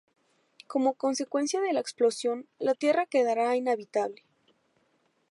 Como consecuencia de la explosión, la Tierra quedara inhabitable.